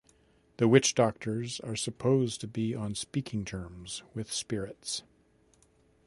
The witch-doctors are supposed to be on speaking terms with spirits.